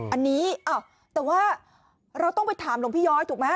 อันนี้แต่ว่าเราต้องไปถามหลวงพี่ย้อยถูกไหม